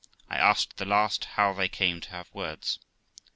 I asked the last how they came to have words.